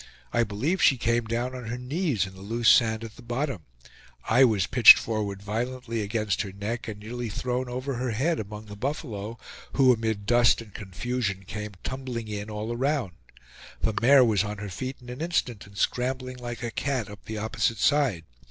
I believe she came down on her knees in the loose sand at the bottom; I was pitched forward violently against her neck and nearly thrown over her head among the buffalo, who amid dust and confusion came tumbling in all around. The mare was on her feet in an instant and scrambling like a cat up the opposite side.